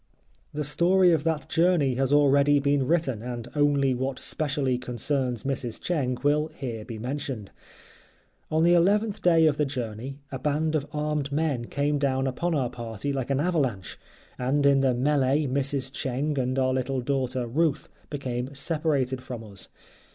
The story of that journey has already been written, and only what specially concerns Mrs. Cheng will here be mentioned. On the eleventh day of the journey a band of armed men came down upon our party like an avalanche, and in the melee Mrs. Cheng and our little daughter, Ruth, became separated from us.